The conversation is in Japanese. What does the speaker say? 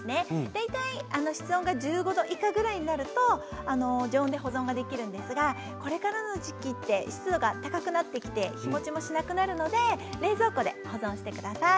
大体室温が１５度以下ぐらいになると常温で保存ができるんですがこれからの時期って湿度が高くなってきて日もちもしなくなるので冷蔵庫で保存してください。